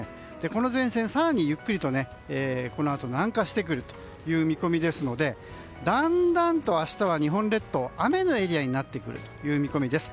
この前線、更にゆっくりとこのあと南下してくる見込みですのでだんだんと明日は日本列島、雨のエリアになる見込みです。